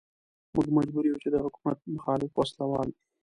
موږ مجبور يو چې د حکومت مخالف وسله وال.